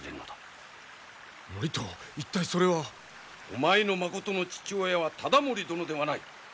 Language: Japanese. お前のまことの父親は忠盛殿ではない！